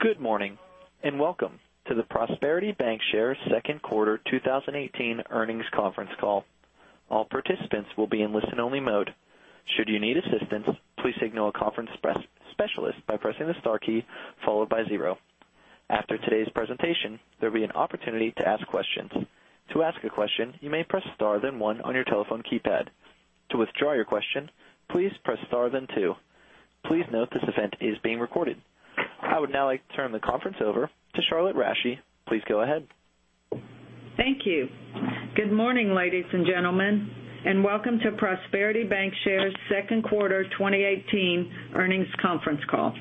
Good morning, welcome to the Prosperity Bancshares second quarter 2018 earnings conference call. All participants will be in listen-only mode. Should you need assistance, please signal a conference specialist by pressing the star key followed by zero. After today's presentation, there will be an opportunity to ask questions. To ask a question, you may press star then one on your telephone keypad. To withdraw your question, please press star then two. Please note this event is being recorded. I would now like to turn the conference over to Charlotte Rasche. Please go ahead. Thank you. Good morning, ladies and gentlemen, welcome to Prosperity Bancshares second quarter 2018 earnings conference call.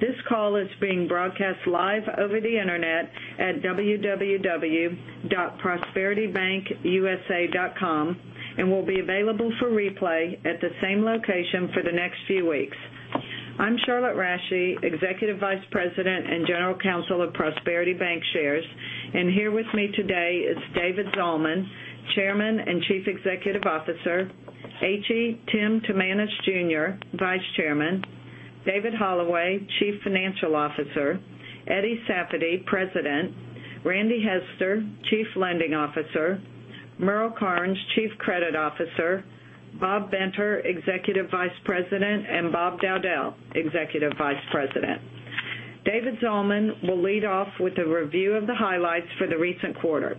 This call is being broadcast live over the internet at www.prosperitybankusa.com and will be available for replay at the same location for the next few weeks. I'm Charlotte Rasche, Executive Vice President and General Counsel of Prosperity Bancshares, here with me today is David Zalman, Chairman and Chief Executive Officer, H.E. Tim Timanus, Jr., Vice Chairman, David Hollaway, Chief Financial Officer, Eddie Safady, President, Randy Hester, Chief Lending Officer, Merle Carnes, Chief Credit Officer, Bob Benter, Executive Vice President, Bob Dowdell, Executive Vice President. David Zalman will lead off with a review of the highlights for the recent quarter.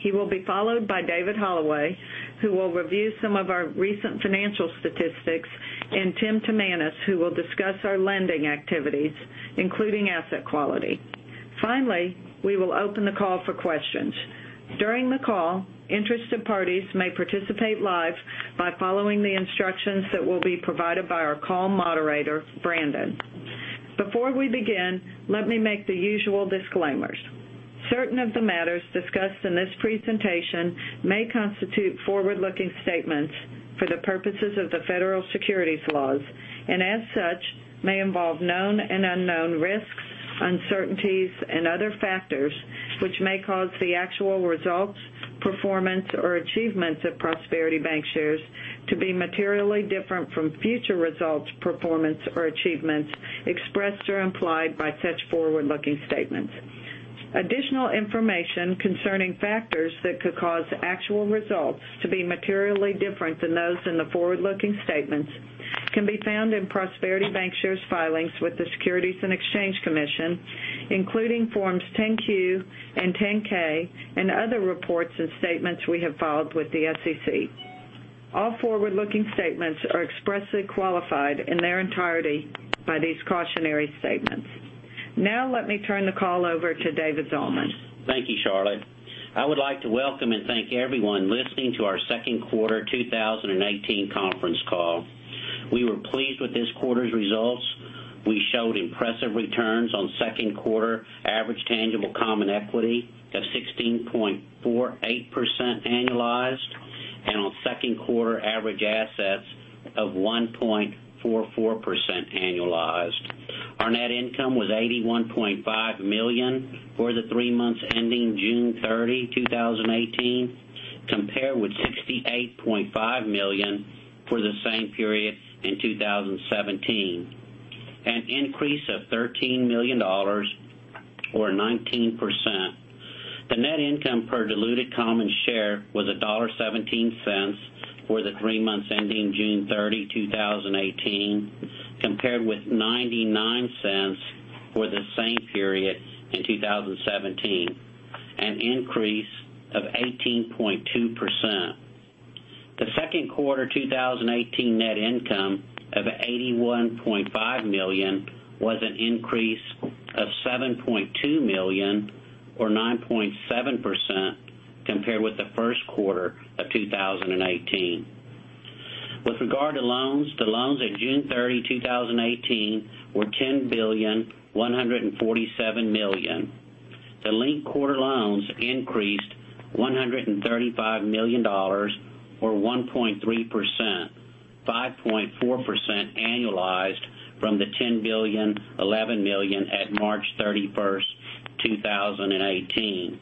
He will be followed by David Hollaway, who will review some of our recent financial statistics, Tim Timanus, who will discuss our lending activities, including asset quality. Finally, we will open the call for questions. During the call, interested parties may participate live by following the instructions that will be provided by our call moderator, Brandon. Before we begin, let me make the usual disclaimers. Certain of the matters discussed in this presentation may constitute forward-looking statements for the purposes of the federal securities laws and, as such, may involve known and unknown risks, uncertainties and other factors, which may cause the actual results, performance, or achievements of Prosperity Bancshares to be materially different from future results, performance or achievements expressed or implied by such forward-looking statements. Additional information concerning factors that could cause actual results to be materially different than those in the forward-looking statements can be found in Prosperity Bancshares' filings with the Securities and Exchange Commission, including Forms 10-Q and 10-K, and other reports and statements we have filed with the SEC. All forward-looking statements are expressly qualified in their entirety by these cautionary statements. Now let me turn the call over to David Zalman. Thank you, Charlotte. I would like to welcome and thank everyone listening to our second quarter 2018 conference call. We were pleased with this quarter's results. We showed impressive returns on second quarter average tangible common equity of 16.48% annualized and on second quarter average assets of 1.44% annualized. Our net income was $81.5 million for the three months ending June 30, 2018, compared with $68.5 million for the same period in 2017, an increase of $13 million or 19%. The net income per diluted common share was $1.17 for the three months ending June 30, 2018, compared with $0.99 for the same period in 2017, an increase of 18.2%. The second quarter 2018 net income of $81.5 million was an increase of $7.2 million or 9.7% compared with the first quarter of 2018. With regard to loans, the loans at June 30, 2018, were $10.147 billion. The linked quarter loans increased $135 million or 1.3%, 5.4% annualized from the $10.011 billion at March 31, 2018.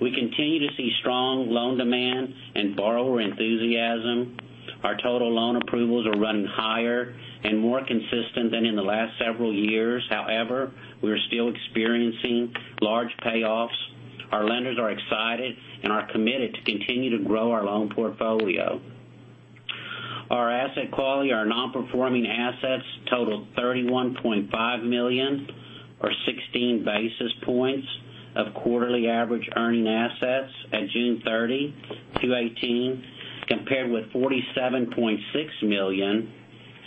We continue to see strong loan demand and borrower enthusiasm. Our total loan approvals are running higher and more consistent than in the last several years. We are still experiencing large payoffs. Our lenders are excited and are committed to continue to grow our loan portfolio. Our asset quality, our non-performing assets totaled $31.5 million or 16 basis points of quarterly average earning assets at June 30, 2018, compared with $47.6 million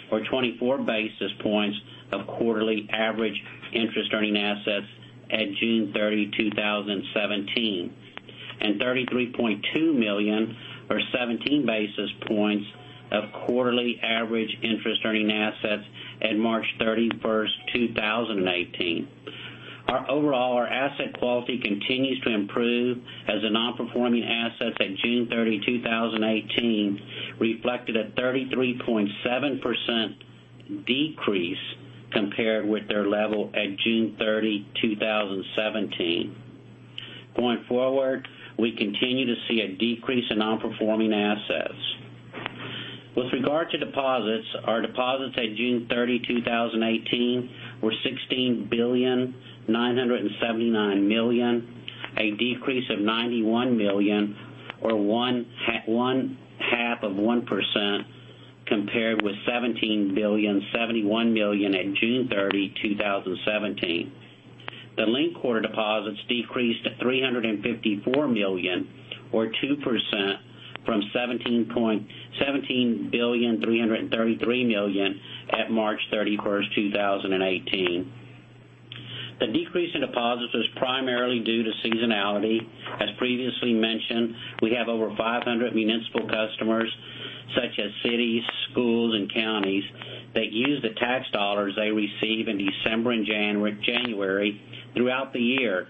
or 24 basis points of quarterly average interest earning assets at June 30, 2017, and $33.2 million or 17 basis points of quarterly average interest earning assets at March 31, 2018. Overall, our asset quality continues to improve as the non-performing assets at June 30, 2018, reflected a 33.7% decrease compared with their level at June 30, 2017. Going forward, we continue to see a decrease in non-performing assets. With regard to deposits, our deposits at June 30, 2018, were $16.979 billion, a decrease of $91 million, or one-half of 1%, compared with $17.071 billion at June 30, 2017. The linked quarter deposits decreased to $354 million, or 2%, from $17.333 billion at March 31st, 2018. The decrease in deposits was primarily due to seasonality. As previously mentioned, we have over 500 municipal customers, such as cities, schools, and counties, that use the tax dollars they receive in December and January throughout the year,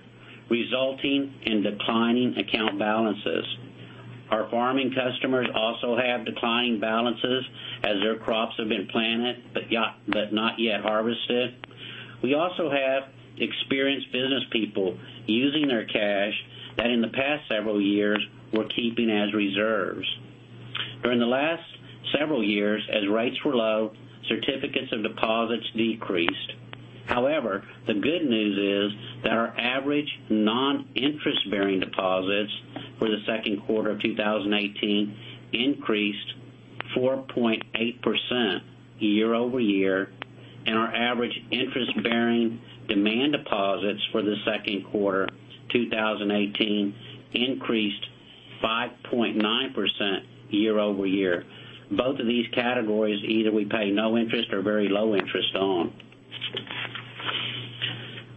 resulting in declining account balances. Our farming customers also have declining balances as their crops have been planted, but not yet harvested. We also have experienced business people using their cash that in the past several years were keeping as reserves. During the last several years, as rates were low, certificates of deposits decreased. The good news is that our average non-interest bearing deposits for the second quarter of 2018 increased 4.8% year-over-year, and our average interest-bearing demand deposits for the second quarter 2018 increased 5.9% year-over-year. Both of these categories, either we pay no interest or very low interest on.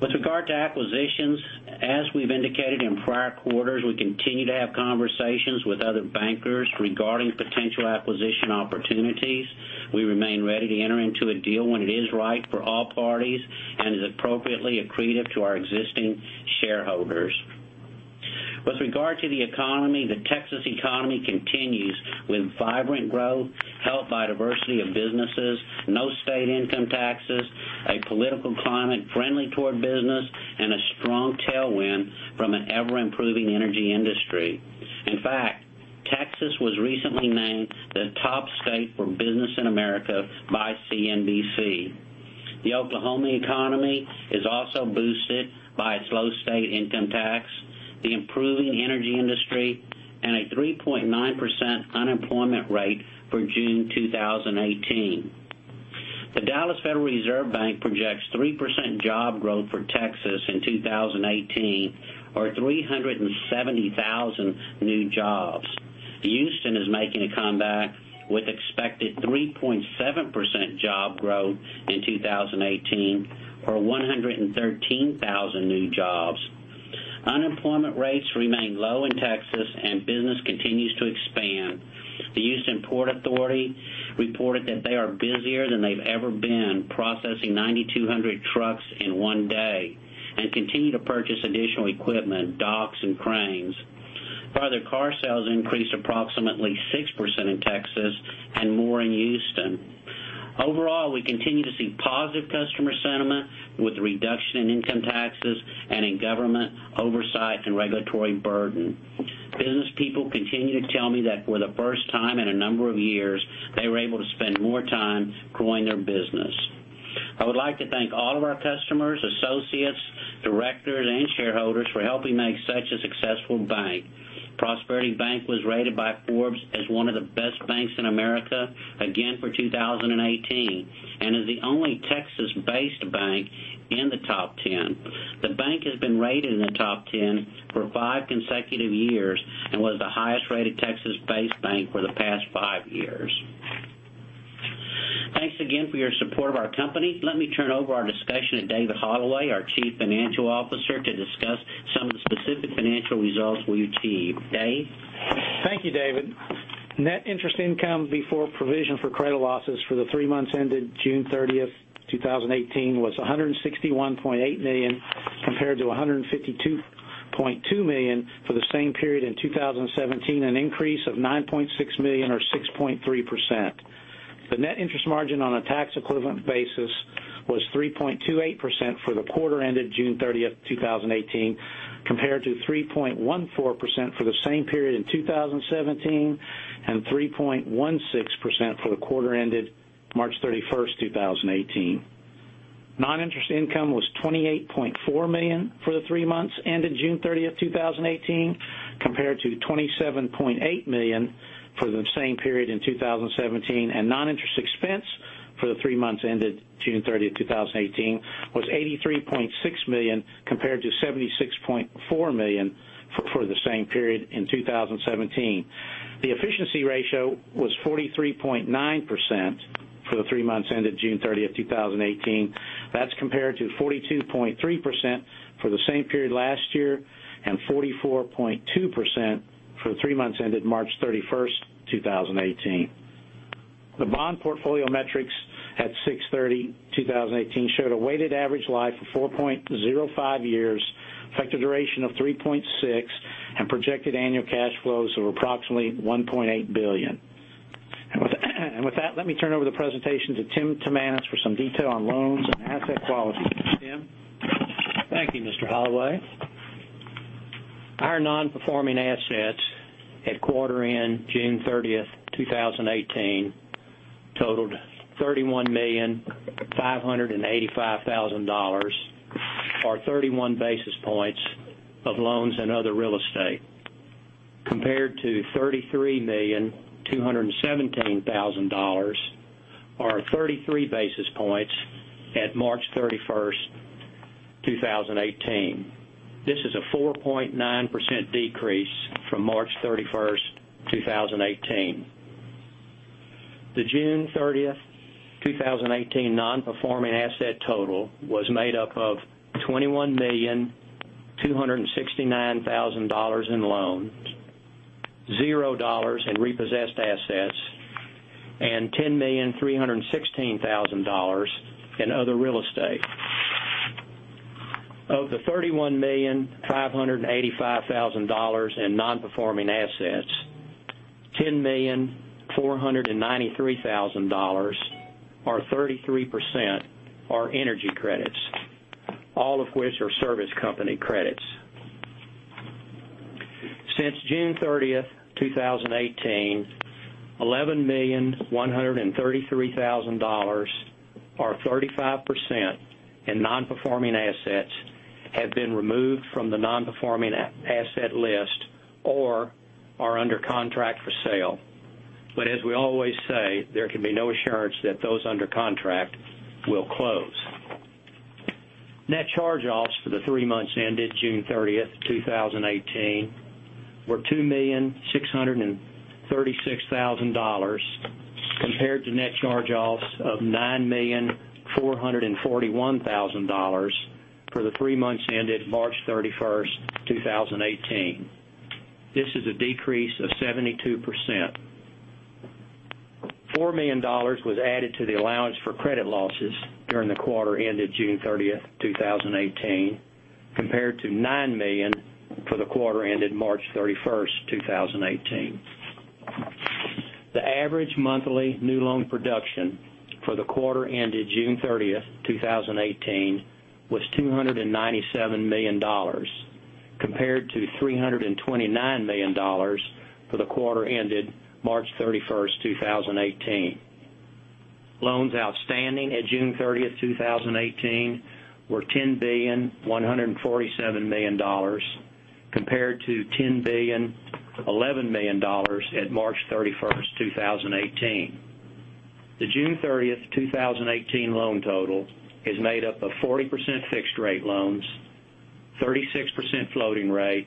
With regard to acquisitions, as we've indicated in prior quarters, we continue to have conversations with other bankers regarding potential acquisition opportunities. We remain ready to enter into a deal when it is right for all parties and is appropriately accretive to our existing shareholders. With regard to the economy, the Texas economy continues with vibrant growth, helped by diversity of businesses, no state income taxes, a political climate friendly toward business, and a strong tailwind from an ever-improving energy industry. In fact, Texas was recently named the top state for business in America by CNBC. The Oklahoma economy is also boosted by its low state income tax, the improving energy industry, and a 3.9% unemployment rate for June 2018. The Dallas Federal Reserve Bank projects 3% job growth for Texas in 2018, or 370,000 new jobs. Houston is making a comeback with expected 3.7% job growth in 2018, or 113,000 new jobs. Unemployment rates remain low in Texas and business continues to expand. The Houston Port Authority reported that they are busier than they've ever been, processing 9,200 trucks in one day, and continue to purchase additional equipment, docks, and cranes. Car sales increased approximately 6% in Texas and more in Houston. Overall, we continue to see positive customer sentiment with the reduction in income taxes and in government oversight and regulatory burden. Business people continue to tell me that for the first time in a number of years, they were able to spend more time growing their business. I would like to thank all of our customers, associates, directors, and shareholders for helping make such a successful bank. Prosperity Bank was rated by Forbes as one of the best banks in America again for 2018 and is the only Texas-based bank in the top 10. The bank has been rated in the top 10 for five consecutive years and was the highest-rated Texas-based bank for the past five years. Thanks again for your support of our company. Let me turn over our discussion to David Hollaway, our Chief Financial Officer, to discuss some of the specific financial results we achieved. Dave? Thank you, David. Net interest income before provision for credit losses for the three months ended June 30th, 2018, was $161.8 million compared to $152.2 million for the same period in 2017, an increase of $9.6 million or 6.3%. The net interest margin on a tax-equivalent basis was 3.28% for the quarter ended June 30th, 2018, compared to 3.14% for the same period in 2017 and 3.16% for the quarter ended March 31st, 2018. Non-interest income was $28.4 million for the three months ended June 30th, 2018, compared to $27.8 million for the same period in 2017. Non-interest expense for the three months ended June 30th, 2018, was $83.6 million compared to $76.4 million for the same period in 2017. The efficiency ratio was 43.9% for the three months ended June 30th, 2018. That's compared to 42.3% for the same period last year and 44.2% for the three months ended March 31st, 2018. The bond portfolio metrics at June 30, 2018, showed a weighted average life of 4.05 years, effective duration of 3.6, and projected annual cash flows of approximately $1.8 billion. With that, let me turn over the presentation to Tim Timanus for some detail on loans and asset quality. Tim. Thank you, Mr. Holloway. Our non-performing assets at quarter end June 30th, 2018 totaled $31,585,000, or 31 basis points of loans and other real estate, compared to $33,217,000, or 33 basis points at March 31st, 2018. This is a 4.9% decrease from March 31st, 2018. The June 30th, 2018 non-performing asset total was made up of $21,269,000 in loans, $0 in repossessed assets, and $10,316,000 in other real estate. Of the $31,585,000 in non-performing assets, $10,493,000, or 33%, are energy credits, all of which are service company credits. Since June 30th, 2018, $11,133,000, or 35%, in non-performing assets have been removed from the non-performing asset list or are under contract for sale. As we always say, there can be no assurance that those under contract will close. Net charge-offs for the three months ended June 30th, 2018 were $2,636,000, compared to net charge-offs of $9,441,000 for the three months ended March 31st, 2018. This is a decrease of 72%. $4 million was added to the allowance for credit losses during the quarter ended June 30th, 2018, compared to $9 million for the quarter ended March 31st, 2018. The average monthly new loan production for the quarter ended June 30th, 2018 was $297 million, compared to $329 million for the quarter ended March 31st, 2018. Loans outstanding at June 30th, 2018 were $10,147,000,000, compared to $10,011,000,000 at March 31st, 2018. The June 30th, 2018 loan total is made up of 40% fixed rate loans, 36% floating rate,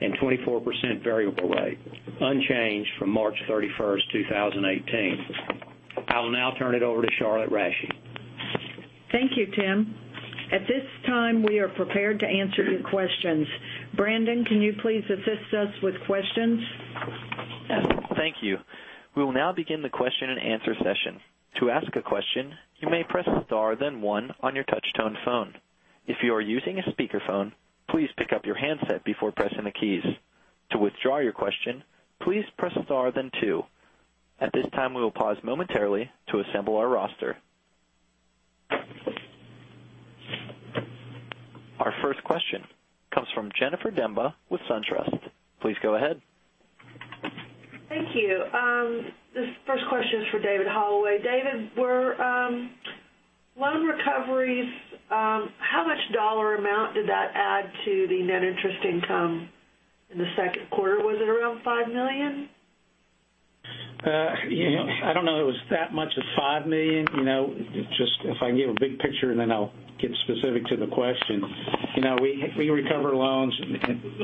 and 24% variable rate, unchanged from March 31st, 2018. I will now turn it over to Charlotte Rasche. Thank you, Tim. At this time, we are prepared to answer your questions. Brandon, can you please assist us with questions? Yes. Thank you. We will now begin the question and answer session. To ask a question, you may press star then one on your touch tone phone. If you are using a speakerphone, please pick up your handset before pressing the keys. To withdraw your question, please press star then two. At this time, we will pause momentarily to assemble our roster. Our first question comes from Jennifer Demba with SunTrust. Please go ahead. Thank you. This first question is for David Holloway. David, loan recoveries, how much dollar amount did that add to the net interest income in the second quarter? Was it around $5 million? I don't know it was that much as $5 million. If I can give a big picture and then I'll get specific to the question. We recover loans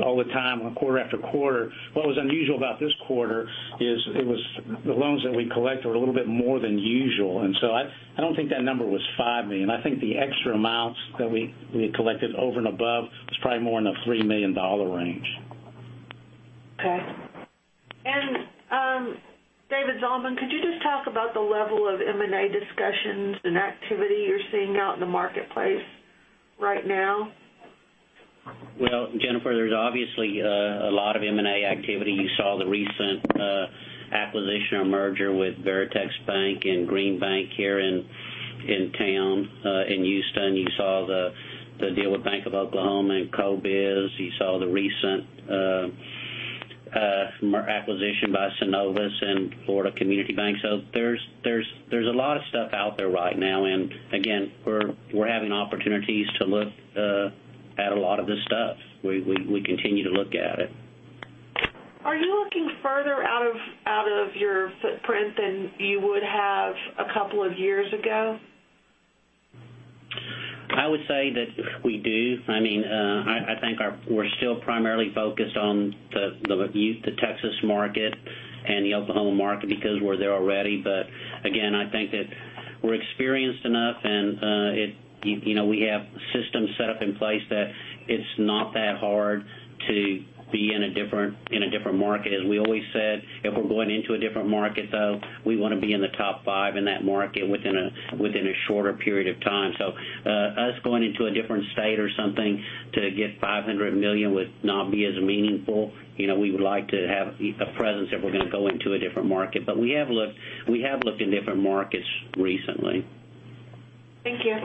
all the time on quarter after quarter. What was unusual about this quarter is the loans that we collect are a little bit more than usual. I don't think that number was $5 million. I think the extra amounts that we collected over and above was probably more in the $3 million range. Okay. David Zalman, could you just talk about the level of M&A discussions and activity you're seeing out in the marketplace right now? Well, Jennifer, there's obviously a lot of M&A activity. You saw the recent acquisition or merger with Veritex Bank and Green Bank here in town in Houston. You saw the deal with Bank of Oklahoma and CoBiz. You saw the recent acquisition by Synovus and Florida Community Bank. There's a lot of stuff out there right now, and again, we're having opportunities to look at a lot of this stuff. We continue to look at it. Are you looking further out of your footprint than you would have a couple of years ago? I would say that we do. I think we're still primarily focused on the Texas market and the Oklahoma market because we're there already. Again, I think that we're experienced enough, and we have systems set up in place that it's not that hard to be in a different market. As we always said, if we're going into a different market, though, we want to be in the top 5 in that market within a shorter period of time. Us going into a different state or something to get $500 million would not be as meaningful. We would like to have a presence if we're going to go into a different market. We have looked in different markets recently. Thank you.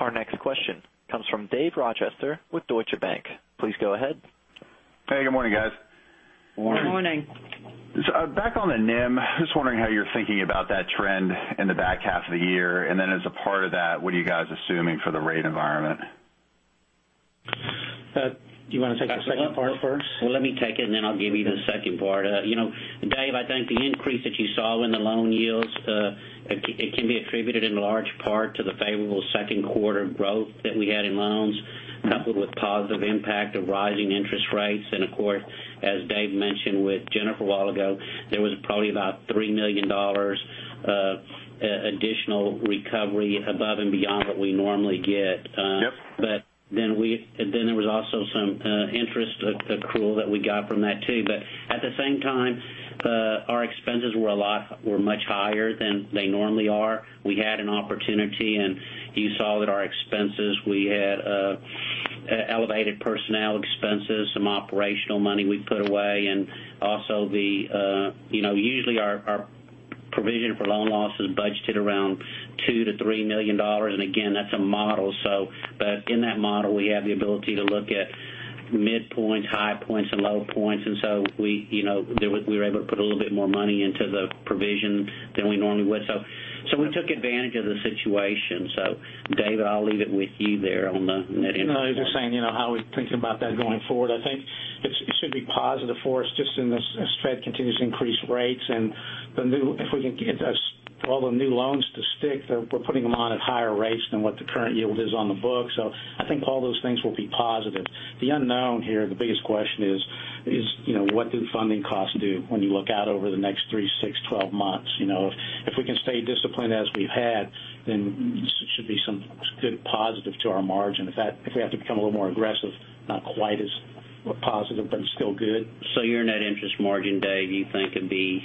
Our next question comes from David Rochester with Deutsche Bank. Please go ahead. Hey, good morning, guys. Good morning. Good morning. Back on the NIM. Just wondering how you're thinking about that trend in the back half of the year, and then as a part of that, what are you guys assuming for the rate environment? Do you want to take the second part first? Well, let me take it, and then I'll give you the second part. Dave, I think the increase that you saw in the loan yields, it can be attributed in large part to the favorable second quarter growth that we had in loans, coupled with positive impact of rising interest rates. Of course, as Dave mentioned with Jennifer a while ago, there was probably about $3 million of additional recovery above and beyond what we normally get. Yep. There was also some interest accrual that we got from that too. At the same time, our expenses were much higher than they normally are. We had an opportunity, and you saw that our expenses, we had elevated personnel expenses, some operational money we put away. Usually our provision for loan loss is budgeted around $2 million-$3 million. Again, that's a model. In that model, we have the ability to look at midpoints, high points, and low points, we were able to put a little bit more money into the provision than we normally would. We took advantage of the situation. Dave, I'll leave it with you there on the net interest margin. No, I was just saying, how are we thinking about that going forward? I think it should be positive for us just as Fed continues to increase rates. If we can get all the new loans to stick, we're putting them on at higher rates than what the current yield is on the book. I think all those things will be positive. The unknown here, the biggest question is: what do the funding costs do when you look out over the next 3, 6, 12 months? If we can stay disciplined as we've had, there should be some good positive to our margin. If we have to become a little more aggressive, not quite as positive, but it's still good. Your net interest margin, Dave, you think could be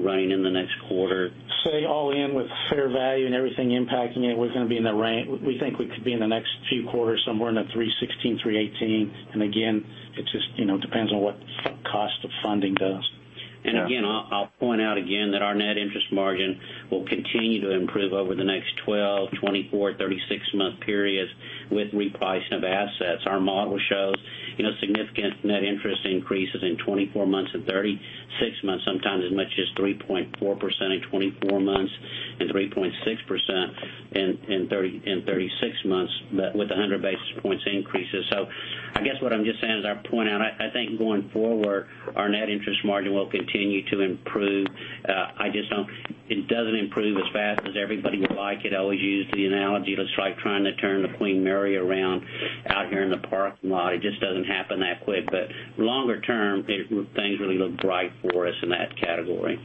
growing in the next quarter? Say all in with fair value and everything impacting it, we think we could be in the next few quarters somewhere in the 316, 318. Again, it just depends on what cost of funding does. Again, I'll point out again that our net interest margin will continue to improve over the next 12, 24, 36 month periods with repricing of assets. Our model shows significant net interest increases in 24 months and 36 months, sometimes as much as 3.4% in 24 months and 3.6% in 36 months, but with 100 basis points increases. I guess what I'm just saying, as I point out, I think going forward, our net interest margin will continue to improve. It doesn't improve as fast as everybody would like. It always uses the analogy it's like trying to turn the Queen Mary around out here in the parking lot. It just doesn't happen that quick. Longer term, things really look bright for us in that category.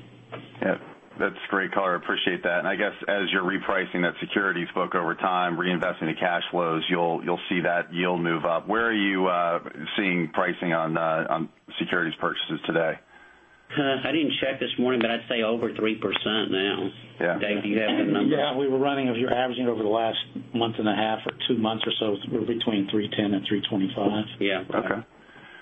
Yeah. That's great color. Appreciate that. I guess as you're repricing that securities book over time, reinvesting the cash flows, you'll see that yield move up. Where are you seeing pricing on securities purchases today? I didn't check this morning, but I'd say over 3% now. Yeah. Dave, do you have the number? Yeah, we were running, if you're averaging over the last month and a half or two months or so, between $310 and $325. Yeah. Okay.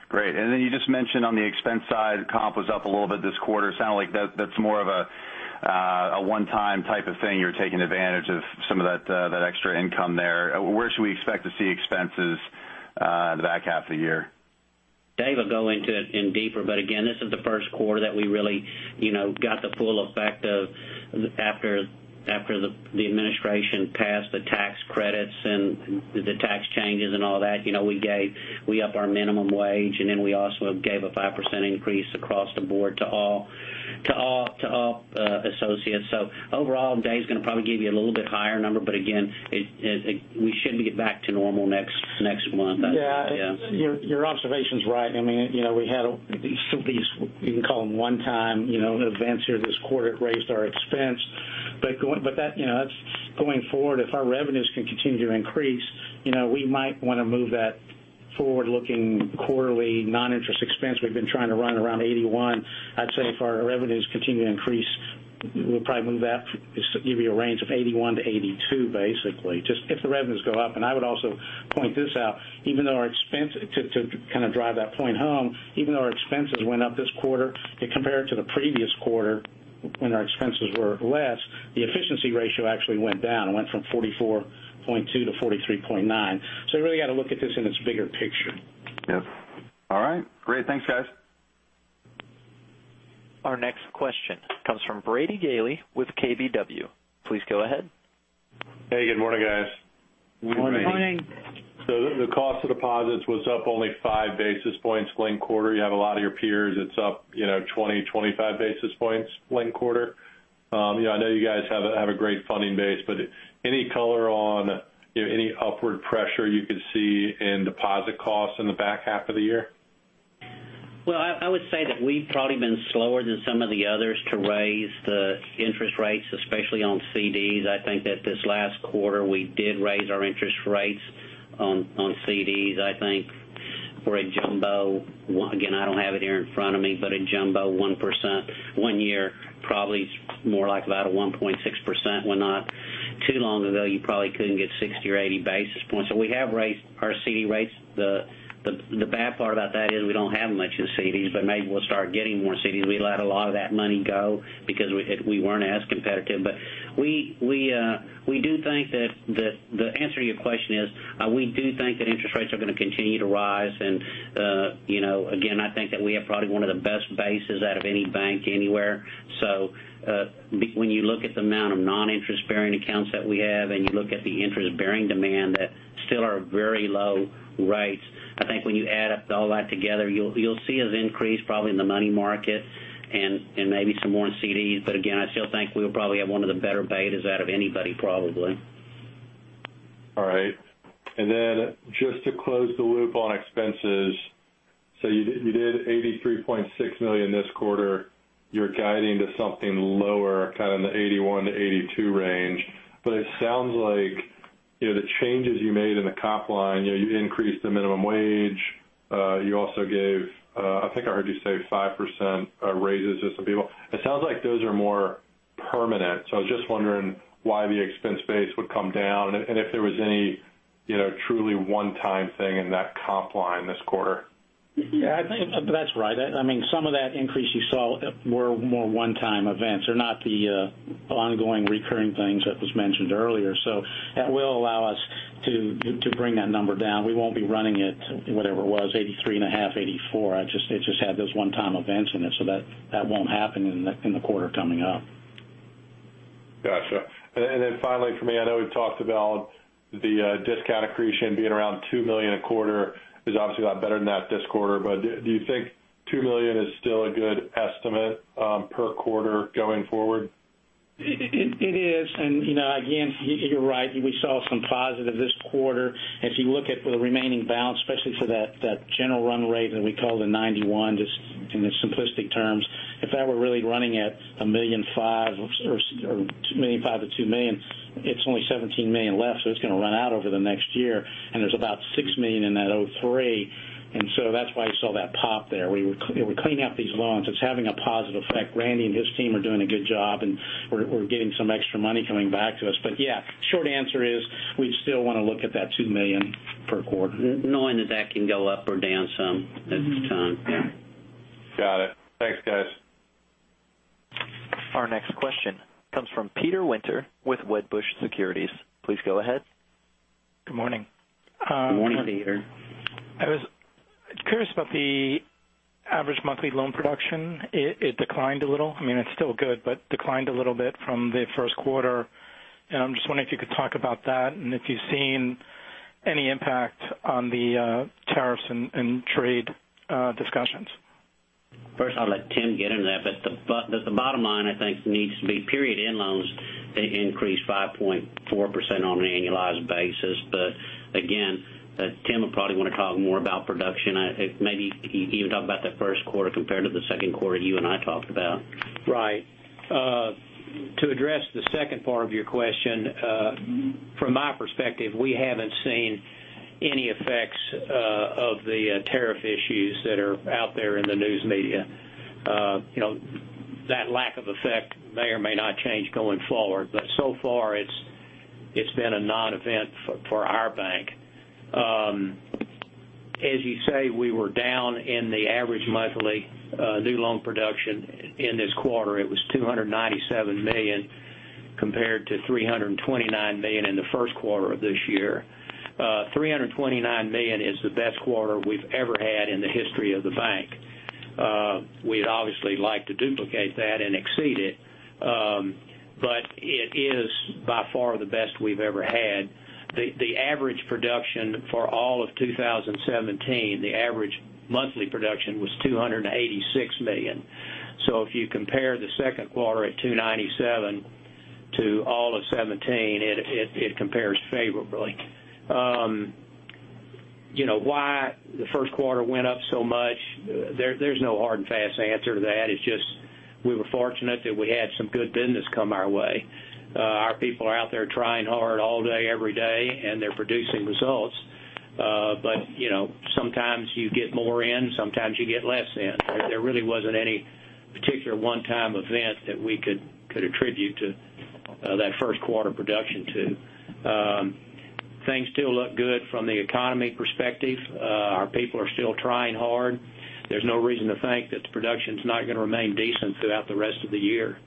Great. Then you just mentioned on the expense side, comp was up a little bit this quarter. Sounded like that's more of a one-time type of thing. You were taking advantage of some of that extra income there. Where should we expect to see expenses in the back half of the year? Dave will go into it in deeper, but again, this is the first quarter that we really got the full effect of after the Administration passed the tax credits and the tax changes and all that. We upped our minimum wage, and then we also gave a 5% increase across the board to all associates. Overall, Dave's going to probably give you a little bit higher number, but again, we should be back to normal next month. Yeah. Yeah. Your observation's right. We had these, you can call them one-time, events here this quarter. It raised our expense. But going forward, if our revenues can continue to increase, we might want to move that forward-looking quarterly non-interest expense we've been trying to run around $81. I'd say if our revenues continue to increase, we'll probably move that, just to give you a range of $81 to $82 basically. Just if the revenues go up. I would also point this out, to kind of drive that point home, even though our expenses went up this quarter, compared to the previous quarter when our expenses were less, the efficiency ratio actually went down. It went from 44.2% to 43.9%. You really got to look at this in its bigger picture. Yep. All right. Great. Thanks, guys. Our next question comes from Brady Gailey with KBW. Please go ahead. Hey, good morning, guys. Good morning. Good morning. The cost of deposits was up only five basis points linked quarter. You have a lot of your peers, it's up 20, 25 basis points linked quarter. I know you guys have a great funding base, any color on any upward pressure you could see in deposit costs in the back half of the year? Well, I would say that we've probably been slower than some of the others to raise the interest rates, especially on CDs. I think that this last quarter, we did raise our interest rates on CDs. I think for a jumbo, again, I don't have it here in front of me, a jumbo 1% one year probably is more like about a 1.6% when not too long ago, you probably couldn't get 60 or 80 basis points. We have raised our CD rates. The bad part about that is we don't have much in CDs, but maybe we'll start getting more CDs. We let a lot of that money go because we weren't as competitive. The answer to your question is, we do think that interest rates are going to continue to rise. Again, I think that we have probably one of the best bases out of any bank anywhere. When you look at the amount of non-interest-bearing accounts that we have, and you look at the interest-bearing demand that still are at very low rates, I think when you add up all that together, you'll see us increase probably in the money market and maybe some more in CDs. Again, I still think we'll probably have one of the better betas out of anybody, probably. Just to close the loop on expenses, you did $83.6 million this quarter. You're guiding to something lower, kind of in the $81 million-$82 million range. It sounds like the changes you made in the comp line, you increased the minimum wage. You also gave, I think I heard you say 5% raises to some people. It sounds like those are more permanent. I was just wondering why the expense base would come down and if there was any truly one-time thing in that comp line this quarter. Yeah, I think that's right. Some of that increase you saw were more one-time events. They're not the ongoing recurring things that was mentioned earlier. That will allow us to bring that number down. We won't be running at whatever it was, $83.5 million, $84 million. It just had those one-time events in it, that won't happen in the quarter coming up. Gotcha. Finally from me, I know we've talked about the discount accretion being around $2 million a quarter. It's obviously a lot better than that this quarter, do you think $2 million is still a good estimate per quarter going forward? It is, you're right. We saw some positive this quarter. If you look at the remaining balance, especially for that general run rate that we call the 91, just in the simplistic terms, if that were really running at $1.5 million or $2 million, it's only $17 million left, it's going to run out over the next year, and there's about $6 million in that '03. That's why you saw that pop there. We're cleaning up these loans. It's having a positive effect. Randy and his team are doing a good job, and we're getting some extra money coming back to us. Yeah, short answer is we still want to look at that $2 million per quarter. Knowing that that can go up or down some at the time. Got it. Thanks, guys. Our next question comes from Peter Winter with Wedbush Securities. Please go ahead. Good morning. Good morning, Peter. I was curious about the average monthly loan production. It declined a little. It's still good, but declined a little bit from the first quarter. I'm just wondering if you could talk about that and if you've seen any impact on the tariffs and trade discussions. First, I'll let Tim get into that, but the bottom line, I think, needs to be period end loans increased 5.4% on an annualized basis. Again, Tim will probably want to talk more about production. Maybe even talk about that first quarter compared to the second quarter you and I talked about. Right. To address the second part of your question, from my perspective, we haven't seen any effects of the tariff issues that are out there in the news media. That lack of effect may or may not change going forward, but so far, it's been a non-event for our bank. As you say, we were down in the average monthly new loan production in this quarter. It was $297 million compared to $329 million in the first quarter of this year. $329 million is the best quarter we've ever had in the history of the bank. We'd obviously like to duplicate that and exceed it, but it is by far the best we've ever had. The average production for all of 2017, the average monthly production was $286 million. If you compare the second quarter at $297 million to all of 2017, it compares favorably. Why the first quarter went up so much, there's no hard and fast answer to that. It's just, we were fortunate that we had some good business come our way. Our people are out there trying hard all day, every day, and they're producing results. Sometimes you get more in, sometimes you get less in. There really wasn't any particular one-time event that we could attribute to that first quarter production to. Things still look good from the economy perspective. Our people are still trying hard. There's no reason to think that the production's not going to remain decent throughout the rest of the year.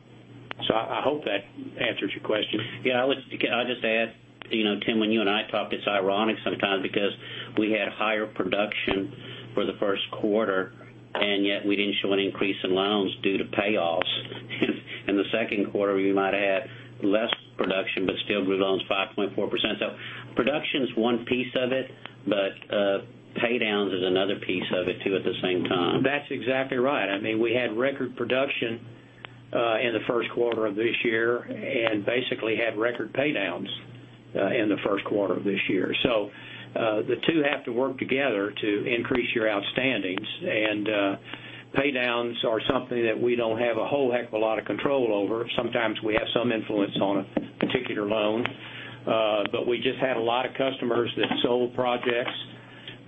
I hope that answers your question. Yeah, I'll just add, Tim, when you and I talk, it's ironic sometimes because we had higher production for the first quarter, and yet we didn't show an increase in loans due to payoffs. In the second quarter, we might have had less production, but still grew loans 5.4%. Production's one piece of it, but pay downs is another piece of it, too, at the same time. That's exactly right. We had record production in the first quarter of this year and basically had record pay downs in the first quarter of this year. The two have to work together to increase your outstandings. Pay downs are something that we don't have a whole heck of a lot of control over. Sometimes we have some influence on a particular loan. We just had a lot of customers that sold projects,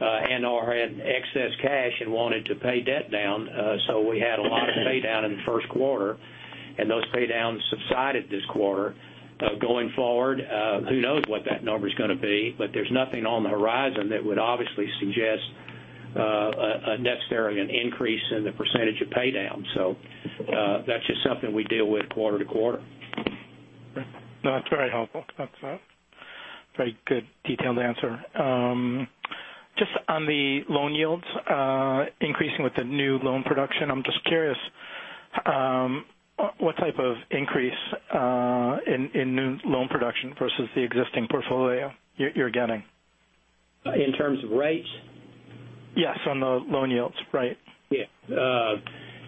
and/or had excess cash and wanted to pay debt down. We had a lot of pay down in the first quarter. Those pay downs subsided this quarter. Going forward, who knows what that number's going to be, but there's nothing on the horizon that would obviously suggest a net increase in the percentage of pay downs. That's just something we deal with quarter to quarter. Okay. No, that's very helpful. That's a very good detailed answer. Just on the loan yields increasing with the new loan production, I'm just curious what type of increase in new loan production versus the existing portfolio you're getting. In terms of rates? Yes, on the loan yields, right. Yeah.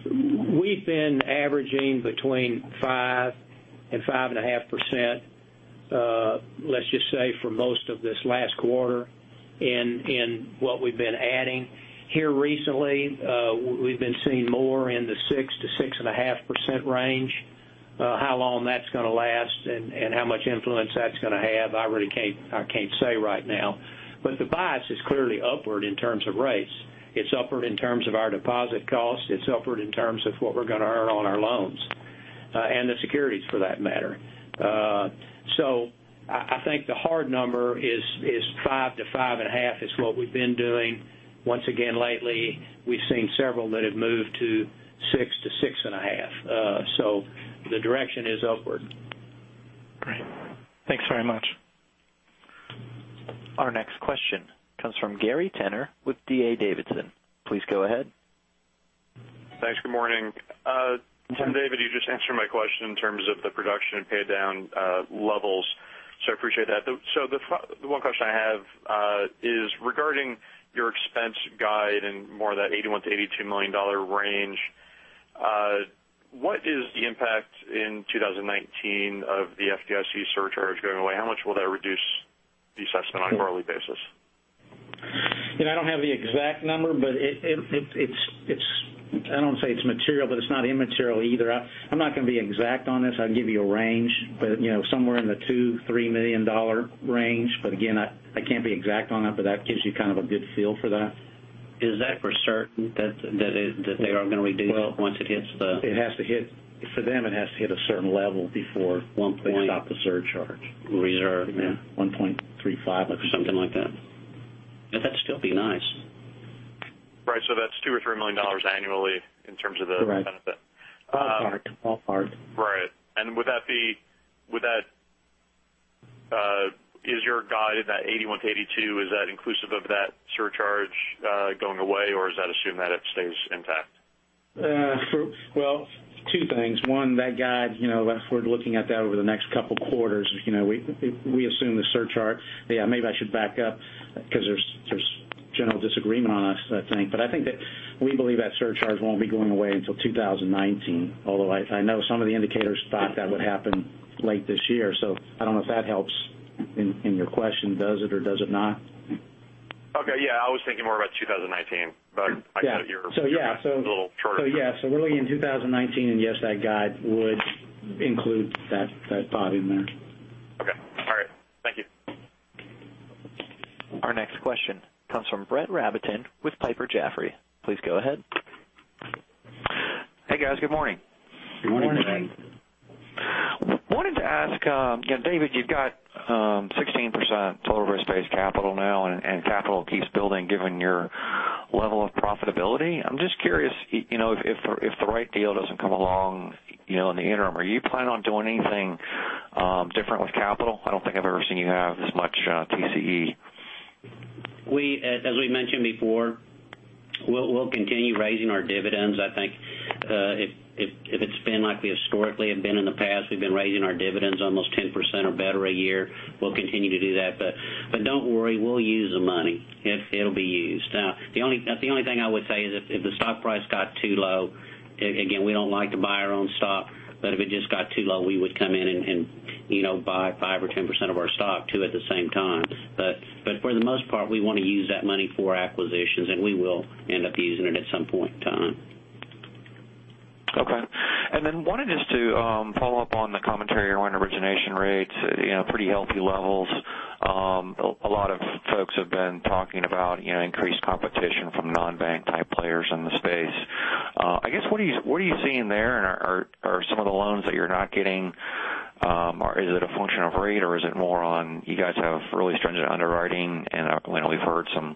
We've been averaging between 5% and 5.5%, let's just say for most of this last quarter in what we've been adding. Here recently, we've been seeing more in the 6%-6.5% range. How long that's going to last and how much influence that's going to have, I really can't say right now. The bias is clearly upward in terms of rates. It's upward in terms of our deposit costs, it's upward in terms of what we're going to earn on our loans, and the securities for that matter. I think the hard number is 5%-5.5% is what we've been doing. Once again lately, we've seen several that have moved to 6%-6.5%. The direction is upward. Great. Thanks very much. Our next question comes from Gary Tenner with D.A. Davidson. Please go ahead. Thanks. Good morning. David, you just answered my question in terms of the production and pay down levels, I appreciate that. The one question I have is regarding your expense guide and more of that $81 million-$82 million range. What is the impact in 2019 of the FDIC surcharge going away? How much will that reduce the assessment on a quarterly basis? I don't have the exact number, I don't want to say it's material, it's not immaterial either. I'm not going to be exact on this. I can give you a range, somewhere in the $2 million, $3 million range, again, I can't be exact on it, that gives you kind of a good feel for that. Is that for certain that they are going to reduce it once it hits the- For them, it has to hit a certain level before- 1 point- they stop the surcharge. Reserve. Yeah. 1.35 or something like that. That'd still be nice. Right. That's $2 million or $3 million annually in terms of the benefit. Right. Ballpark. Right. Is your guide at that $81-$82, is that inclusive of that surcharge going away, or is that assuming that it stays intact? Well, two things. One, that guide, if we're looking at that over the next couple of quarters, we assume the surcharge-- Maybe I should back up because there's general disagreement on this, I think. I think that we believe that surcharge won't be going away until 2019, although I know some of the indicators thought that would happen late this year. I don't know if that helps in your question, does it or does it not? Okay. Yeah, I was thinking more about 2019, but I get your- Yeah. little charter. Yeah. We're looking at 2019, Yes, that guide would include that thought in there. Okay. All right. Thank you. Our next question comes from Brett Rabatin with Piper Jaffray. Please go ahead. Hey, guys. Good morning. Good morning. Morning. Wanted to ask, David, you've got 16% total risk-based capital now, and capital keeps building given your level of profitability. I'm just curious, if the right deal doesn't come along in the interim, are you planning on doing anything different with capital? I don't think I've ever seen you have this much TCE. As we mentioned before, we'll continue raising our dividends. I think if it's been like we historically have been in the past, we've been raising our dividends almost 10% or better a year. We'll continue to do that. Don't worry, we'll use the money. It'll be used. The only thing I would say is if the stock price got too low, again, we don't like to buy our own stock, but if it just got too low, we would come in and buy 5% or 10% of our stock too at the same time. For the most part, we want to use that money for acquisitions, and we will end up using it at some point in time. Okay. Wanted just to follow up on the commentary on origination rates, pretty healthy levels. A lot of folks have been talking about increased competition from non-bank type players in the space. I guess, what are you seeing there, and are some of the loans that you're not getting, is it a function of rate, or is it more on you guys have really stringent underwriting, and we've heard some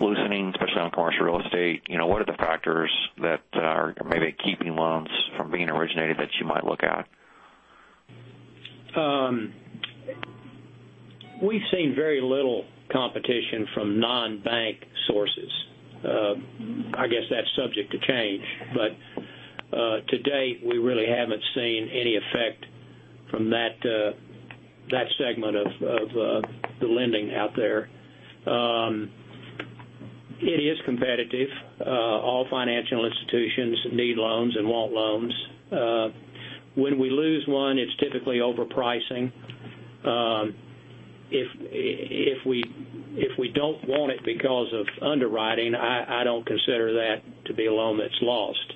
loosening, especially on commercial real estate. What are the factors that are maybe keeping loans from being originated that you might look at? We've seen very little competition from non-bank sources. I guess that's subject to change, but to date, we really haven't seen any effect from that segment of the lending out there. It is competitive. All financial institutions need loans and want loans. When we lose one, it's typically over pricing. If we don't want it because of underwriting, I don't consider that to be a loan that's lost.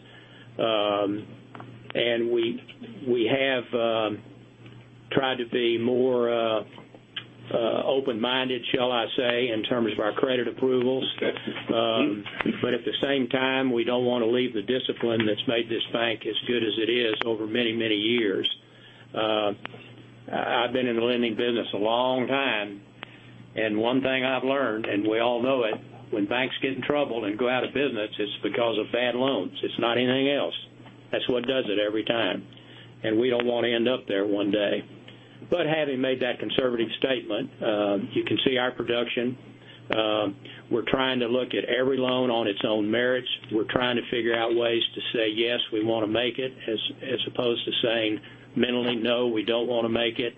At the same time, we don't want to leave the discipline that's made this bank as good as it is over many years. I've been in the lending business a long time, and one thing I've learned, and we all know it, when banks get in trouble and go out of business, it's because of bad loans. It's not anything else. That's what does it every time, and we don't want to end up there one day. Having made that conservative statement, you can see our production. We're trying to look at every loan on its own merits. We're trying to figure out ways to say, yes, we want to make it as opposed to saying mentally, no, we don't want to make it.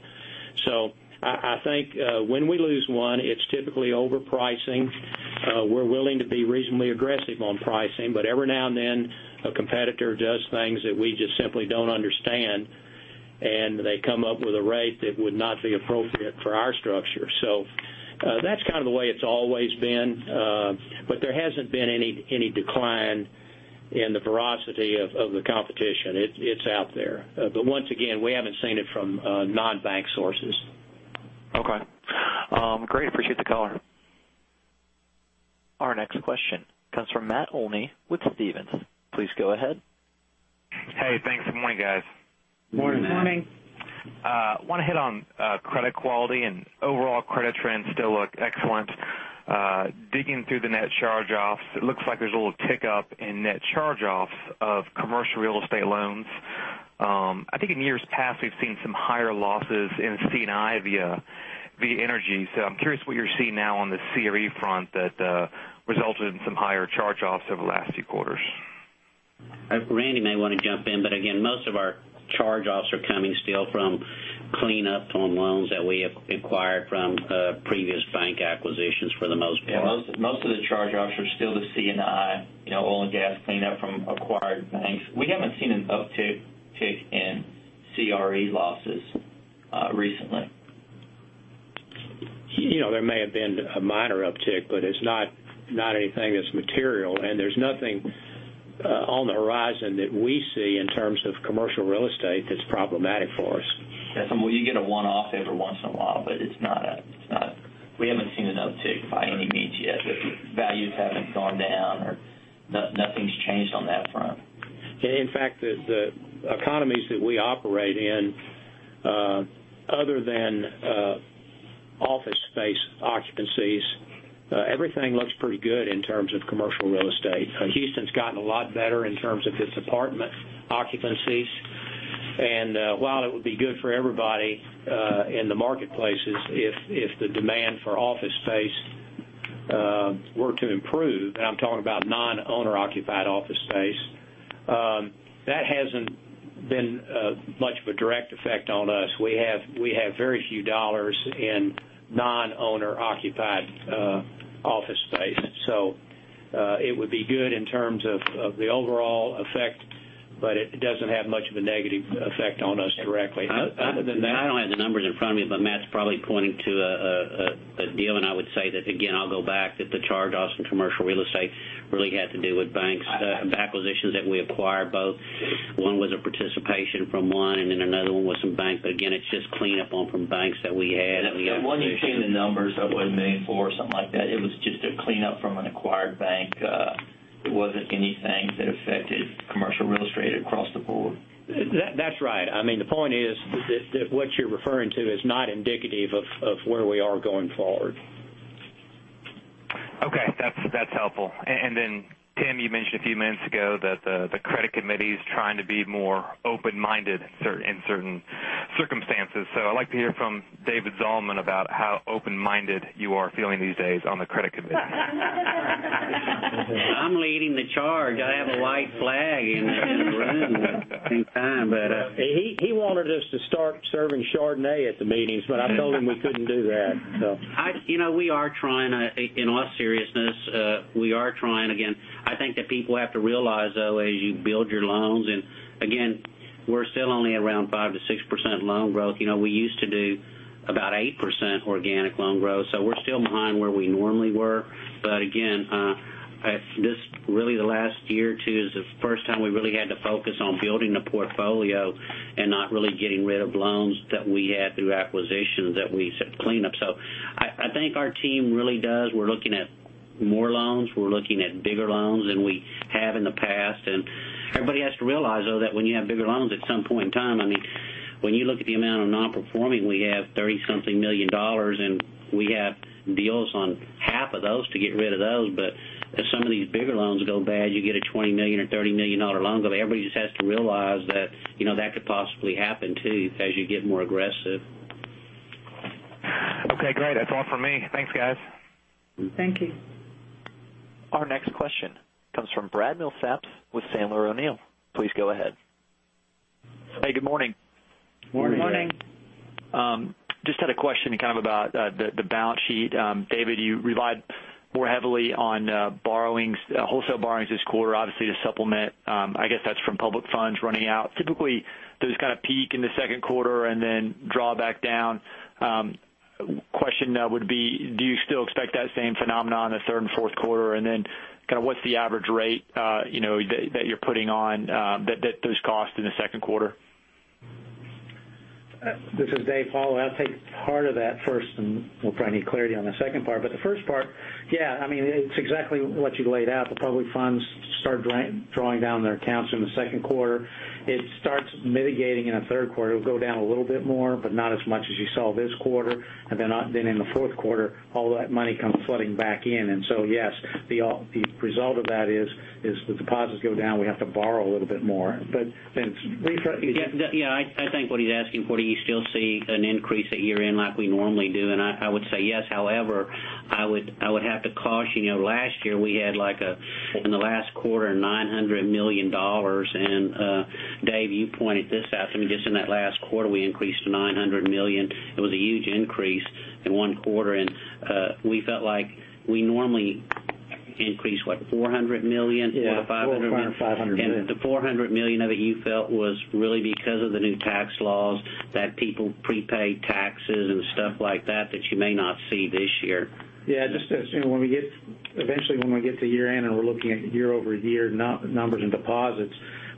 I think when we lose one, it's typically over pricing. We're willing to be reasonably aggressive on pricing, but every now and then, a competitor does things that we just simply don't understand, and they come up with a rate that would not be appropriate for our structure. That's kind of the way it's always been. There hasn't been any decline in the veracity of the competition. It's out there. Once again, we haven't seen it from non-bank sources. Okay. Great, appreciate the color. Our next question comes from Matt Olney with Stephens. Please go ahead. Hey, thanks. Morning, guys. Morning. Morning. Want to hit on credit quality and overall credit trends still look excellent. Digging through the net charge-offs, it looks like there's a little tick up in net charge-offs of commercial real estate loans. I think in years past, we've seen some higher losses in C&I via energy. I'm curious what you're seeing now on the CRE front that resulted in some higher charge-offs over the last few quarters. Randy may want to jump in. Again, most of our charge-offs are coming still from cleanup from loans that we have acquired from previous bank acquisitions for the most part. Yeah, most of the charge-offs are still the C&I, oil and gas cleanup from acquired banks. We haven't seen an uptick in CRE losses recently. There may have been a minor uptick, it's not anything that's material. There's nothing on the horizon that we see in terms of commercial real estate that's problematic for us. Yes, well, you get a one-off every once in a while, we haven't seen an uptick by any means yet. The values haven't gone down or nothing's changed on that front. In fact, the economies that we operate in other than office space occupancies everything looks pretty good in terms of commercial real estate. Houston's gotten a lot better in terms of its apartment occupancies. While it would be good for everybody in the marketplaces if the demand for office space were to improve, and I'm talking about non-owner occupied office space that hasn't been much of a direct effect on us. We have very few dollars in non-owner occupied office space. It would be good in terms of the overall effect, it doesn't have much of a negative effect on us directly. I don't have the numbers in front of me, but Matt's probably pointing to a deal. I would say that again, I'll go back that the charge-offs from commercial real estate really had to do with banks, the acquisitions that we acquired, both one was a participation from one, and then another one was some bank. Again, it's just cleanup on from banks that we had. You've seen the numbers, it wasn't $1.4 million or something like that. It was just a cleanup from an acquired bank. It wasn't anything that affected commercial real estate across the board. That's right. The point is that what you're referring to is not indicative of where we are going forward. Okay. That's helpful. Tim, you mentioned a few minutes ago that the credit committee is trying to be more open-minded in certain circumstances. I'd like to hear from David Zalman about how open-minded you are feeling these days on the credit committee. I'm leading the charge. I have a white flag in the room at the same time. He wanted us to start serving Chardonnay at the meetings, I told him we couldn't do that. We are trying, in all seriousness, we are trying again. I think that people have to realize, though, as you build your loans, again, we're still only around 5%-6% loan growth. We used to do about 8% organic loan growth, we're still behind where we normally were. Again, really the last year or two is the first time we really had to focus on building the portfolio and not really getting rid of loans that we had through acquisitions that we clean up. I think our team really does. We're looking at more loans. We're looking at bigger loans than we have in the past. Everybody has to realize, though, that when you have bigger loans, at some point in time, when you look at the amount of non-performing, we have $30-something million, we have deals on half of those to get rid of those. As some of these bigger loans go bad, you get a $20 million or $30 million loan. Everybody just has to realize that that could possibly happen too, as you get more aggressive. Okay, great. That's all for me. Thanks, guys. Thank you. Our next question comes from Brad Milsaps with Sandler O'Neill. Please go ahead. Hey, good morning. Morning. Morning. Just had a question kind of about the balance sheet. David, you relied more heavily on wholesale borrowings this quarter, obviously to supplement I guess that's from public funds running out. Typically, those kind of peak in the second quarter and then draw back down. Question would be, do you still expect that same phenomenon in the third and fourth quarter? What's the average rate that you're putting on those costs in the second quarter? This is David Zalman. I'll take part of that first, and we'll probably need clarity on the second part. The first part, yeah, it's exactly what you laid out. The public funds start drawing down their accounts from the second quarter. It starts mitigating in the third quarter. It'll go down a little bit more, but not as much as you saw this quarter. In the fourth quarter, all that money comes flooding back in. Yes, the result of that is the deposits go down, we have to borrow a little bit more. Vince, briefly- Yeah, I think what he's asking for, do you still see an increase at year-end like we normally do? I would say yes. However, I would have to caution you. Last year, we had, in the last quarter, $900 million. Dave, you pointed this out to me, just in that last quarter, we increased to $900 million. It was a huge increase in one quarter. We felt like we normally increase, what, $400 million? Yeah. Four to $500 million. $400 or $500 million. The $400 million of it you felt was really because of the new tax laws that people prepay taxes and stuff like that that you may not see this year. Eventually, when we get to year end and we're looking at year-over-year numbers and deposits,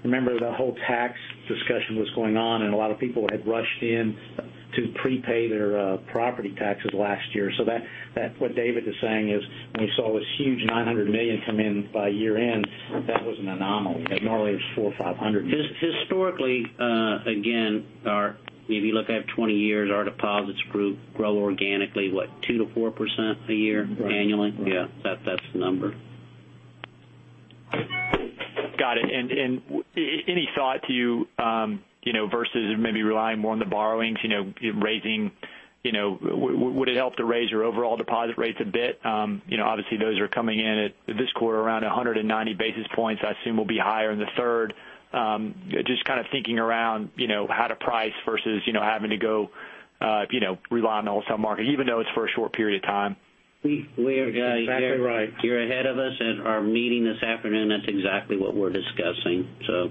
remember the whole tax discussion was going on, and a lot of people had rushed in to prepay their property taxes last year. What David is saying is when we saw this huge $900 million come in by year end, that was an anomaly because normally it's $400 or $500 million. Historically, again, if you look out at 20 years, our deposits grow organically, what, 2%-4% a year annually? Right. Yeah, that's the number. Got it. Any thought to versus maybe relying more on the borrowings, would it help to raise your overall deposit rates a bit? Obviously, those are coming in at this quarter around 190 basis points. I assume we'll be higher in the third. Just kind of thinking around how to price versus having to go rely on the wholesale market, even though it's for a short period of time. That's exactly right. You're ahead of us. At our meeting this afternoon, that's exactly what we're discussing.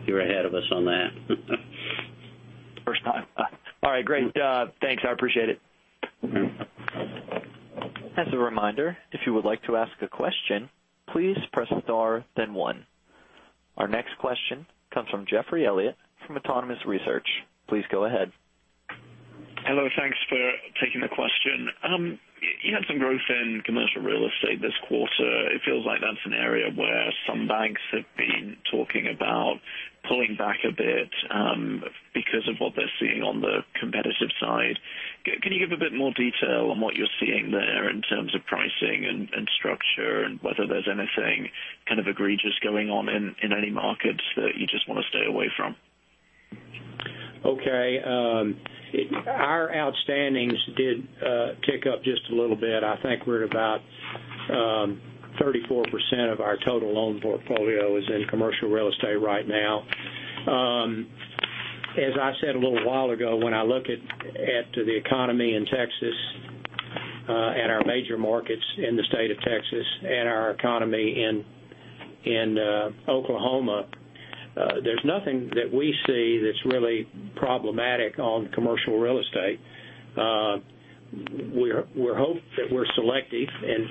You're ahead of us on that. First time. All right, great. Thanks, I appreciate it. As a reminder, if you would like to ask a question, please press star then one. Our next question comes from Geoffrey Elliott from Autonomous Research. Please go ahead. Hello, thanks for taking the question. You had some growth in commercial real estate this quarter. It feels like that's an area where some banks have been talking about pulling back a bit because of what they're seeing on the competitive side. Can you give a bit more detail on what you're seeing there in terms of pricing and structure, and whether there's anything kind of egregious going on in any markets that you just want to stay away from? Okay. Our outstandings did tick up just a little bit. I think we're at about 34% of our total loan portfolio is in commercial real estate right now. As I said a little while ago, when I look at the economy in Texas, at our major markets in the state of Texas, and our economy in Oklahoma, there's nothing that we see that's really problematic on commercial real estate. We hope that we're selective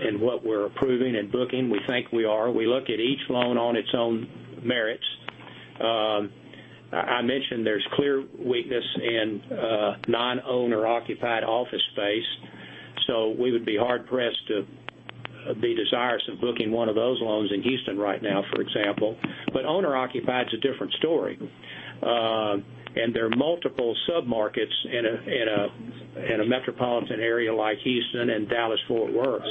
in what we're approving and booking. We think we are. We look at each loan on its own merits. I mentioned there's clear weakness in non-owner occupied office space. We would be hard pressed to be desirous of booking one of those loans in Houston right now, for example. Owner occupied is a different story, and there are multiple sub-markets in a metropolitan area like Houston and Dallas-Fort Worth.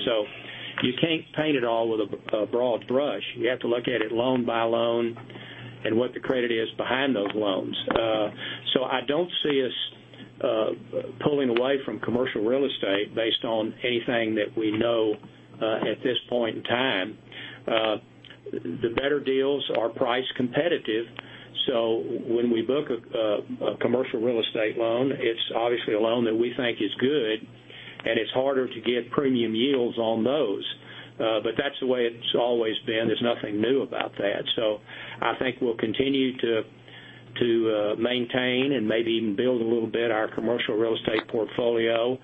You can't paint it all with a broad brush. You have to look at it loan by loan and what the credit is behind those loans. I don't see us pulling away from commercial real estate based on anything that we know at this point in time. The better deals are price competitive. When we book a commercial real estate loan, it's obviously a loan that we think is good, and it's harder to get premium yields on those. That's the way it's always been. There's nothing new about that. I think we'll continue to maintain and maybe even build a little bit our commercial real estate portfolio.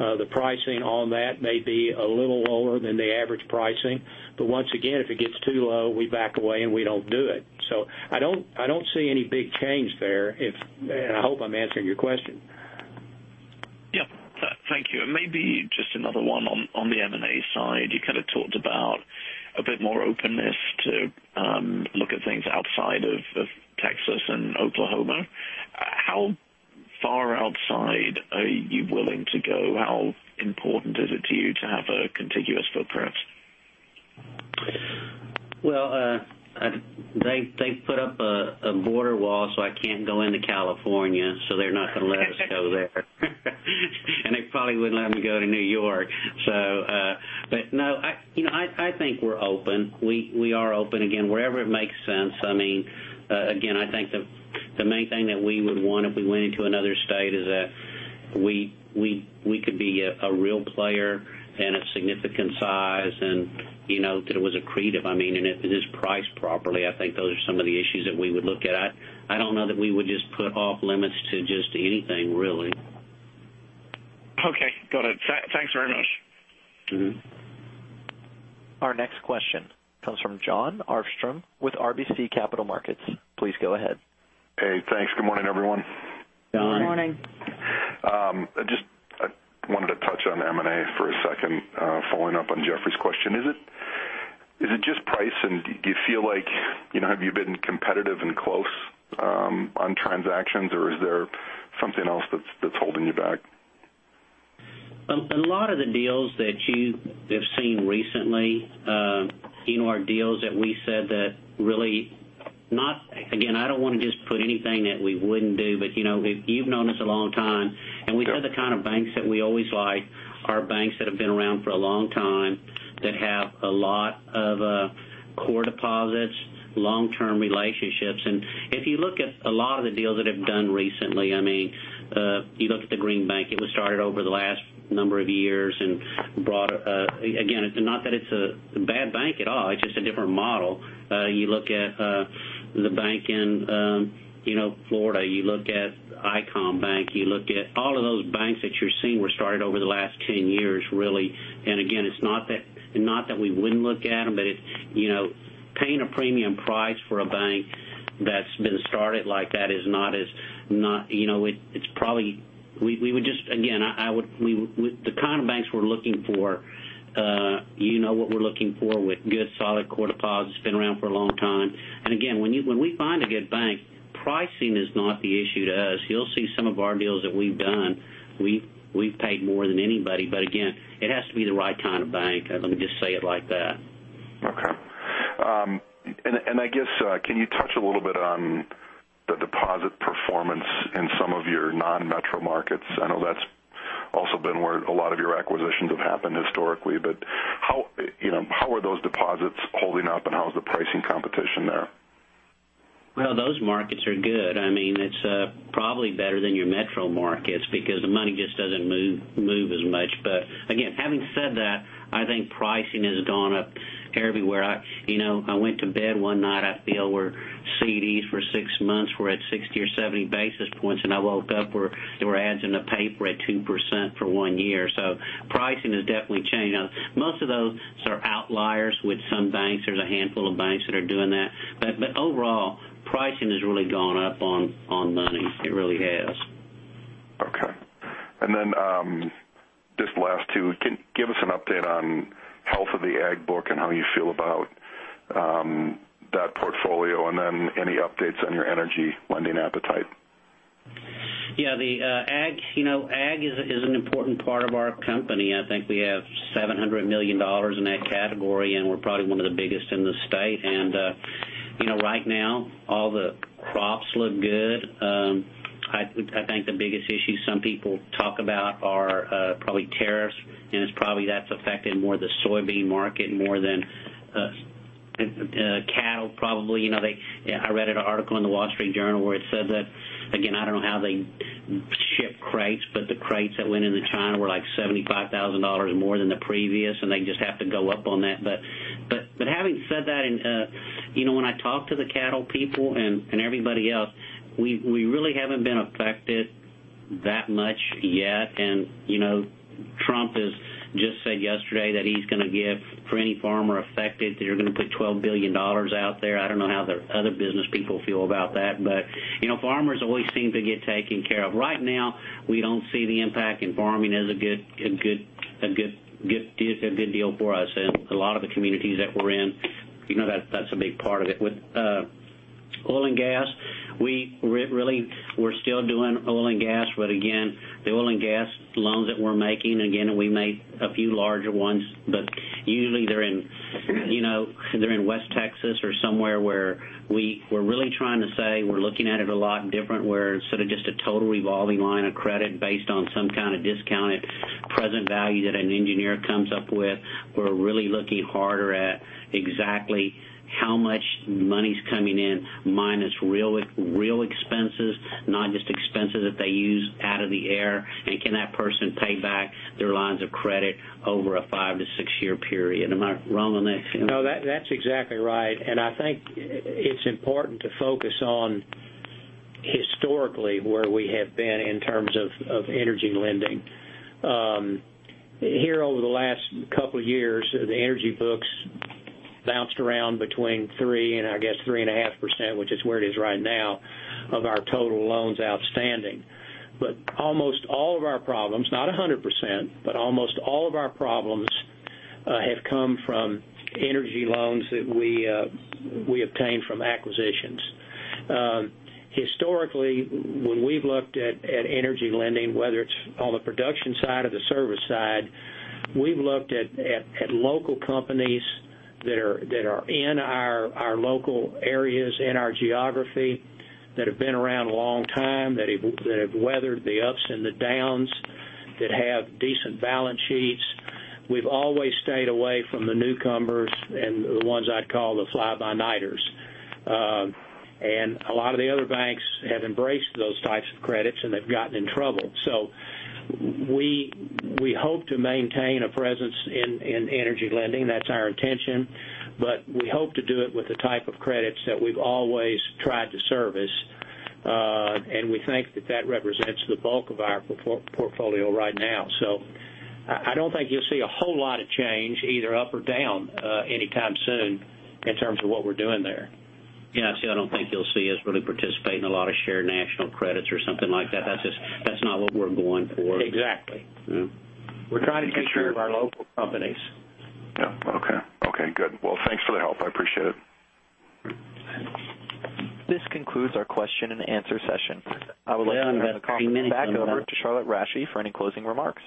The pricing on that may be a little lower than the average pricing, once again, if it gets too low, we back away and we don't do it. I don't see any big change there. I hope I'm answering your question. Yeah. Thank you. Maybe just another one on the M&A side. You kind of talked about a bit more openness to look at things outside of Texas and Oklahoma. How far outside are you willing to go? How important is it to you to have a contiguous footprint? They've put up a border wall, I can't go into California, they're not going to let us go there. They probably wouldn't let me go to New York. No, I think we're open. We are open again, wherever it makes sense. I think the main thing that we would want if we went into another state is that we could be a real player and a significant size, and that it was accretive. If it is priced properly, I think those are some of the issues that we would look at. I don't know that we would just put off limits to just anything, really. Okay, got it. Thanks very much. Our next question comes from Jon Arfstrom with RBC Capital Markets. Please go ahead. Hey, thanks. Good morning, everyone. Good morning. Good morning. I just wanted to touch on M&A for a second, following up on Geoffrey's question. Is it just price, and do you feel like you have been competitive and close on transactions, or is there something else that's holding you back? A lot of the deals that you have seen recently are deals that we said that. I don't want to just put anything that we wouldn't do, but you've known us a long time. Yeah. We know the kind of banks that we always like are banks that have been around for a long time, that have a lot of core deposits, long-term relationships. If you look at a lot of the deals that have done recently, you look at the Green Bank, it was started over the last number of years and. Not that it's a bad bank at all, it's just a different model. You look at the bank in Florida, you look at Icon Bank, you look at all of those banks that you're seeing were started over the last 10 years, really. It's not that we wouldn't look at them, but paying a premium price for a bank that's been started like that is not the kind of banks we're looking for, you know what we're looking for with good solid core deposits, been around for a long time. When we find a good bank, pricing is not the issue to us. You'll see some of our deals that we've done, we've paid more than anybody. It has to be the right kind of bank. Let me just say it like that. Okay. I guess, can you touch a little bit on the deposit performance in some of your non-metro markets? I know that's also been where a lot of your acquisitions have happened historically, but how are those deposits holding up and how is the pricing competition there? Well, those markets are good. It's probably better than your metro markets because the money just doesn't move as much. Having said that, I think pricing has gone up everywhere. I went to bed one night, I feel were CDs for six months, were at 60 or 70 basis points, and I woke up, there were ads in the paper at 2% for one year. Pricing has definitely changed. Now, most of those are outliers with some banks. There's a handful of banks that are doing that. Overall, pricing has really gone up on money. It really has. Okay. Just last two, give us an update on health of the ag book and how you feel about that portfolio, and any updates on your energy lending appetite. Yeah, the ag is an important part of our company. I think we have $700 million in that category, and we're probably one of the biggest in the state. Right now, all the crops look good. I think the biggest issue some people talk about are probably tariffs, it's probably affecting more of the soybean market more than cattle, probably. I read an article in The Wall Street Journal where it said that, again, I don't know how they ship crates, but the crates that went into China were like $75,000 more than the previous, and they just have to go up on that. Having said that, when I talk to the cattle people and everybody else, we really haven't been affected that much yet. Trump has just said yesterday that he's going to give for any farmer affected, they're going to put $12 billion out there. I don't know how the other business people feel about that, farmers always seem to get taken care of. Right now, we don't see the impact, farming is a good deal for us in a lot of the communities that we're in. That's a big part of it. With oil and gas, we're still doing oil and gas, again, the oil and gas loans that we're making, we made a few larger ones, usually they're in West Texas or somewhere where we're really trying to say we're looking at it a lot different, where instead of just a total revolving line of credit based on some kind of discounted present value that an engineer comes up with, we're really looking harder at exactly how much money's coming in minus real expenses, not just expenses that they use out of the air, and can that person pay back their lines of credit over a five to six-year period? Am I wrong on that, Tm? No, that's exactly right. I think it's important to focus on historically where we have been in terms of energy lending. Here over the last couple of years, the energy books bounced around between 3% and I guess 3.5%, which is where it is right now, of our total loans outstanding. Almost all of our problems, not 100%, almost all of our problems have come from energy loans that we obtained from acquisitions. Historically, when we've looked at energy lending, whether it's on the production side or the service side, we've looked at local companies that are in our local areas, in our geography, that have been around a long time, that have weathered the ups and the downs, that have decent balance sheets. We've always stayed away from the newcomers and the ones I'd call the fly-by-nighters. A lot of the other banks have embraced those types of credits, and they've gotten in trouble. We hope to maintain a presence in energy lending. That's our intention, but we hope to do it with the type of credits that we've always tried to service. We think that that represents the bulk of our portfolio right now. I don't think you'll see a whole lot of change, either up or down, anytime soon in terms of what we're doing there. I don't think you'll see us really participate in a lot of shared national credits or something like that. That's not what we're going for. Exactly. Yeah. We're trying to take care of our local companies. Thanks for the help. I appreciate it. Thanks. This concludes our question and answer session. I would like to now- Well, I've got three minutes- -turn the call back over to Charlotte Rasche for any closing remarks.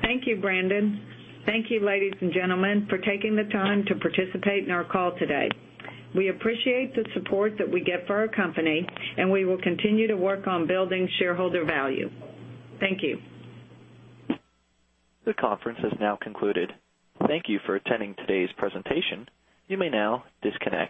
Thank you, Brandon. Thank you, ladies and gentlemen, for taking the time to participate in our call today. We appreciate the support that we get for our company. We will continue to work on building shareholder value. Thank you. This conference has now concluded. Thank you for attending today's presentation. You may now disconnect.